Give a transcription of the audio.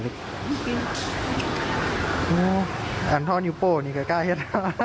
อุ้ยอาร์ทอลยุโปว์นี้แก่เฮ็ด